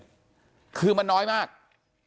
อยู่ดีมาตายแบบเปลือยคาห้องน้ำได้ยังไง